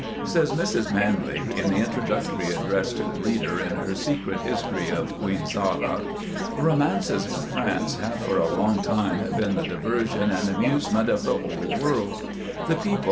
Says Mrs. Manley, in the introductory address to the reader in her "Secret History of Queen Zarah":— "Romances in France have for a long time been the diversion and amusement of the whole world; the people